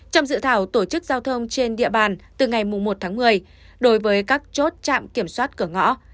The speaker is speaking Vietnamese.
trong dự thảo tổ chức giao thông trên địa bàn từ ngày một tháng một mươi đối với các chốt trạm kiểm soát cửa ngõ